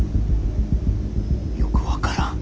よく分からん。